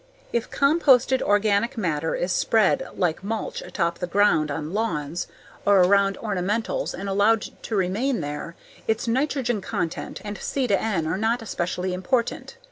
If composted organic matter is spread like mulch atop the ground on lawns or around ornamentals and allowed to remain there its nitrogen content and C/N are not especially important.